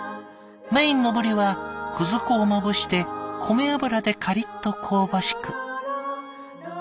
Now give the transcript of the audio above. メインのブリはくず粉をまぶして米油でカリッと香ばしく。